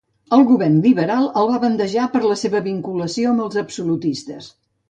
El govern liberal el va bandejar per la seva vinculació amb els absolutistes.